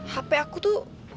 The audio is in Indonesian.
hp aku tuh